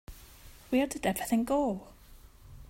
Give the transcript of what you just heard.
Where did everything go?